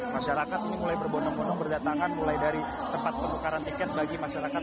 masyarakat ini mulai berbono bono berdatangan mulai dari tempat pembukaran tiket bagi masyarakat